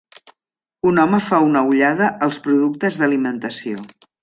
Un home fa una ullada als productes d'alimentació.